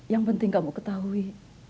yang penting kamu ketahui